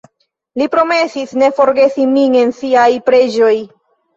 Li promesis ne forgesi min en siaj preĝoj.